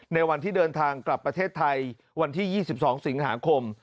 ในวันที่เดินทางกลับประเทศไทยวันที่๒๒สิงหาคม